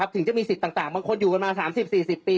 ถึงจะมีสิทธิ์ต่างบางคนอยู่กันมา๓๐๔๐ปี